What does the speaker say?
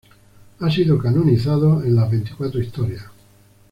Ha sido canonizado en las "Veinticuatro historias".